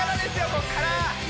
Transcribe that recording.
ここから！